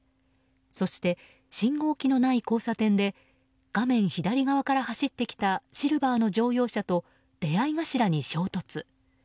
そして、信号機のない交差点で画面左側から走ってきたシルバーの乗用車と出合い頭に衝突。